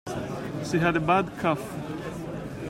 She had a bad cough.